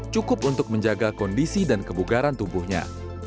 cukup untuk menjaga kondisi dan kebugaran tubuhnya